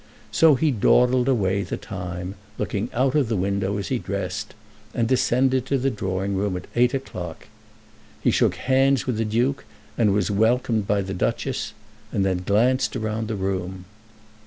So he dawdled away the time, looking out of the window as he dressed, and descended to the drawing room at eight o'clock. He shook hands with the Duke, and was welcomed by the Duchess, and then glanced round the room.